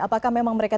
apakah memang mereka